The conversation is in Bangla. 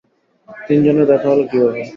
তিনজনের দেখা হলো কিভাবে?